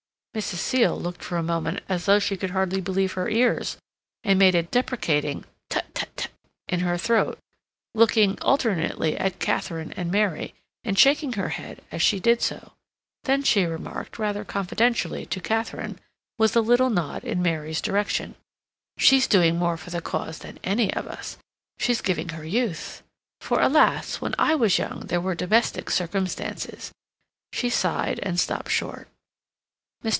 Mrs. Seal looked for a moment as though she could hardly believe her ears, and made a deprecating "tut tut tut" in her throat, looking alternately at Katharine and Mary, and shaking her head as she did so. Then she remarked, rather confidentially to Katharine, with a little nod in Mary's direction: "She's doing more for the cause than any of us. She's giving her youth—for, alas! when I was young there were domestic circumstances—" she sighed, and stopped short. Mr.